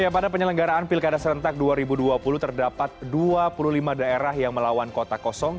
pada penyelenggaraan pilkada serentak dua ribu dua puluh terdapat dua puluh lima daerah yang melawan kota kosong